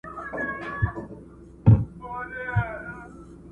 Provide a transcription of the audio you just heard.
o لټي د گناه مور ده٫